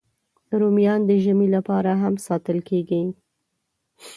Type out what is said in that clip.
رومیان د ژمي لپاره هم ساتل کېږي